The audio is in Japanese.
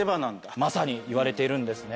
まさにいわれているんですね。